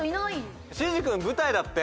真治君舞台だって。